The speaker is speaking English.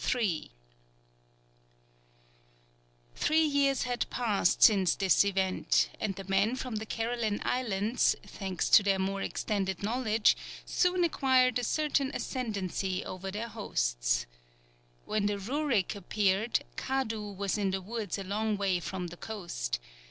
Three years had passed since this event, and the men from the Caroline Islands, thanks to their more extended knowledge, soon acquired a certain ascendancy over their hosts. When the Rurik appeared, Kadu was in the woods a long way from the coast.